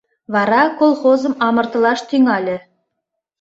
Вара колхозым амыртылаш тӱҥале.